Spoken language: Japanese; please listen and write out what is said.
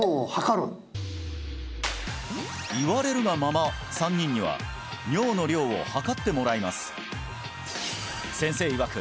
言われるがまま３人には尿の量を量ってもらいます先生いわく